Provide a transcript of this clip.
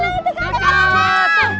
itu kakak udah pulang